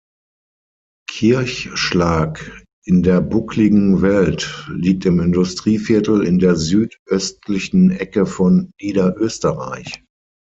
Kirchschlag in der Buckligen Welt liegt im Industrieviertel in der südöstlichen Ecke von Niederösterreich.